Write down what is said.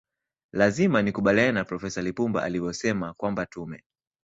lazima nikubaliane na profesa lipumba alivyosema kwamba tume